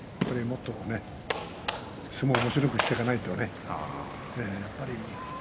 もっと相撲をおもしろくしていかないとね。